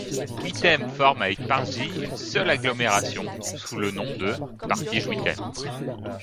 Wittem forme avec Partij une seule agglomération, sous le nom de Partij-Wittem.